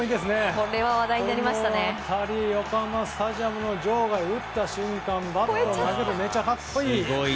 この当たり横浜スタジアムの場外打った瞬間、バットを投げてめちゃ格好いい！